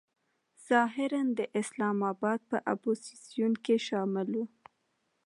ظاهراً د اسلام آباد په اپوزیسیون کې شامل و.